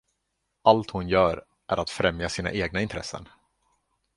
Allt hon gör är att främja sina egna intressen.